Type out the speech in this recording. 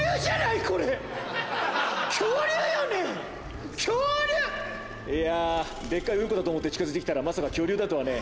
いやデッカいうんこだと思って近づいて来たらまさか恐竜だとはね。